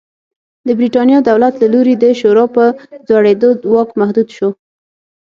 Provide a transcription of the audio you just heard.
د برېټانیا دولت له لوري د شورا په جوړېدو واک محدود شو.